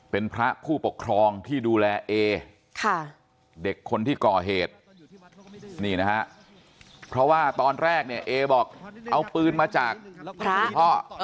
เป็นพระผู้ปกครองที่ดูแลเอเด็กคนที่ก่อเหตุนี่นะฮะเพราะว่าตอนแรกเนี่ยเอบอกเอาปืนมาจากพระคุณพ่อ